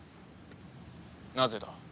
なぜだ？